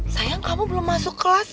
sayang kamu belum masuk kelas